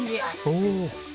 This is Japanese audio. おお。